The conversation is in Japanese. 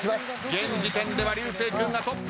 現時点では流星君がトップ。